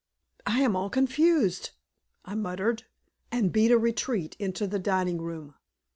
"I am all confused," I muttered, and beat a retreat into the dining room.